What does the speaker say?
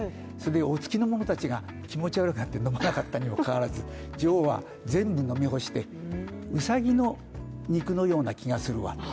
おつきの者たちが気持ち悪くなって飲まなかったにもかかわらず、女王は全部飲み干して、ウサギの肉のような気がするわと。